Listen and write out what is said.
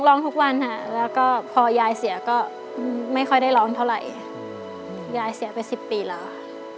ร้องทุกวันค่ะแล้วก็พอยายเสียก็ไม่ค่อยได้ร้องเท่าไหร่ยายเสียไปสิบปีแล้วค่ะ